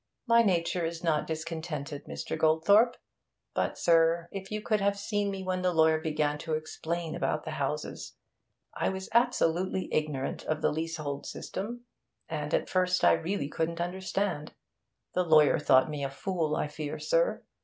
My nature is not discontented, Mr. Goldthorpe. But, sir, if you could have seen me when the lawyer began to explain about the houses! I was absolutely ignorant of the leasehold system; and at first I really couldn't understand. The lawyer thought me a fool, I fear, sir.